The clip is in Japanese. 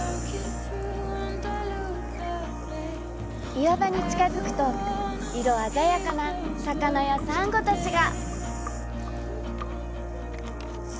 岩場に近づくと色鮮やかな魚やサンゴたちが！